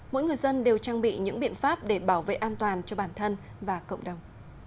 mỗi người dân đều trang bị những biện pháp để bảo vệ an toàn cho bản thân và cộng đồng